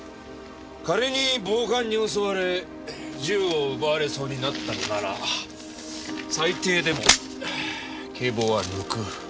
仮に暴漢に襲われ銃を奪われそうになったのなら最低でも警棒は抜く。